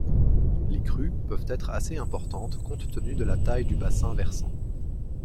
Les crues peuvent être assez importantes compte tenu de la taille du bassin versant.